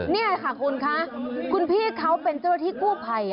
นี่ค่ะคุณคะคุณพี่เขาเป็นเจ้าหน้าที่กู้ภัย